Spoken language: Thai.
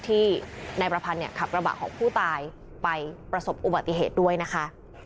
ที่นายประพันธ์ขับกระบะของผู้ตายไปประสบอุบัติเหตุด้วยนะคะ